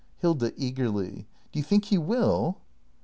Hilda. [Eagerly.] Do you think he will